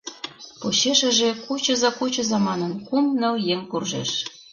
Почешыже, «кучыза, кучыза!» манын, кум-ныл еҥ куржеш.